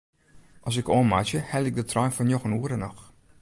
As ik oanmeitsje helje ik de trein fan njoggen oere noch.